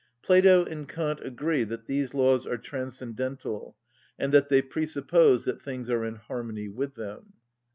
Plato and Kant agree that these laws are transcendental, and that they presuppose that things are in harmony with them.